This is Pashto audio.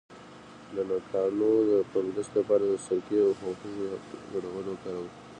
د نوکانو د فنګس لپاره د سرکې او هوږې ګډول وکاروئ